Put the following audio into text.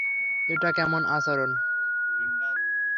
এটা কেমন আচরণ?